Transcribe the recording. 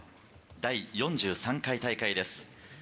第４３回大会です。